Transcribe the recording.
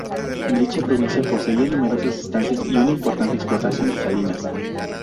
En dicha provincia poseía numerosas estancias y una importante explotación de salinas.